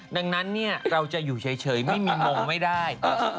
ดังนั้นเราจะอยู่เฉยไม่มีมงไม่ได้